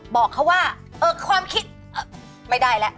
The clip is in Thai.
บอกเขาว่าความคิดไม่ได้แล้ว